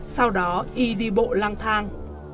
sau đó y đi bộ lang thang